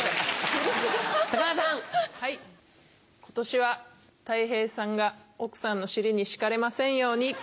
今年はたい平さんが奥さんの尻に敷かれませんように。